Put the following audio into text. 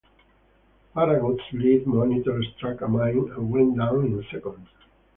Farragut's lead monitor struck a mine and went down in seconds.